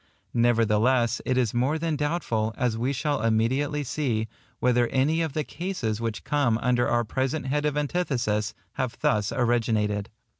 Nevertheless it is more than doubtful, as we shall immediately see, whether any of the cases which come under our present head of antithesis, have thus originated.